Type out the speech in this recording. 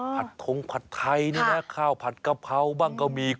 ทงผัดไทยนี่นะข้าวผัดกะเพราบ้างก็มี